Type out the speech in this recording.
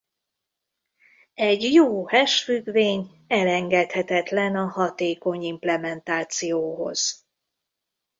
Egy jó hash függvény elengedhetetlen a hatékony implementációhoz.